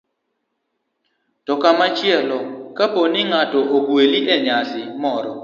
To komachielo, kapo ni ng'ato ogweli e nyasi moro,